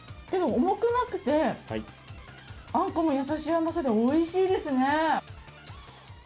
でも重くなくてあんこも優しい甘さでおいしいですね。